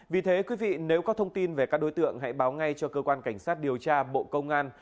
vì thế quý vị nếu có thông tin về các đối tượng hãy báo ngay cho cơ quan cảnh sát điều tra bộ công an